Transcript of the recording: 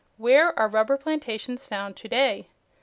Where are rubber plantations found to day?